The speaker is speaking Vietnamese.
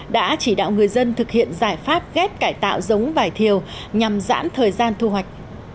đã chỉ đạo người dân thực hiện giải pháp ghép cải tạo giống vải thiều nhằm giãn thời gian thu hoạch